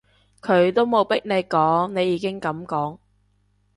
佢都冇逼你講，你已經噉講